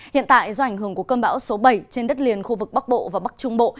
hiện tại do ảnh hưởng của cơn bão số bảy trên đất liền khu vực bắc bộ và bắc trung bộ